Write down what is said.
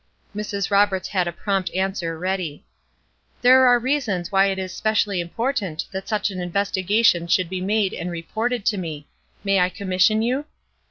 Mrs. Roberts had a prompt answer ready: "There are reasons why it is specially important that such an investigation should be made and reported to me. May I commission you?"